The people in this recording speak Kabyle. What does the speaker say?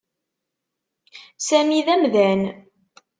Sami d amdan.